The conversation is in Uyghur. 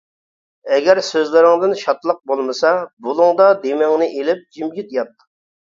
ئەگەر سۆزلىرىڭدىن شادلىق بولمىسا، بۇلۇڭدا دېمىڭنى ئېلىپ، جىمجىت يات.